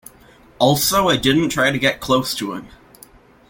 Also I didn't try to get close to him.